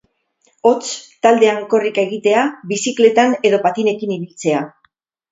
Hots, taldean korrika egitea, bizikletan edo patinekin ibiltzea.